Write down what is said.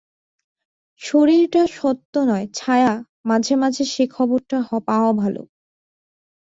শরীরটা সত্য নয়, ছায়া, মাঝে মাঝে সে খবরটা পাওয়া ভালো।